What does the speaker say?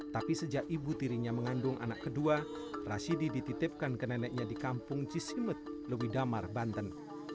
tapi sejak ibu tirinya mengandung anak kedua rasidi dititipkan ke neneknya di kampung cisimet lewidamar banten